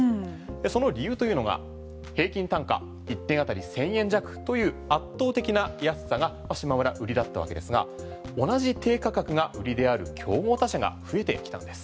その理由というのが平均単価１点あたり１０００円弱という圧倒的な安さがしまむらは売りだったわけですが同じ低価格が売りである競合他社が増えてきたんです。